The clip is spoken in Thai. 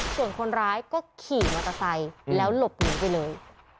ส่วนคนร้ายก็ขี่มอเตอร์ไซค์แล้วหลบหนีไปเลย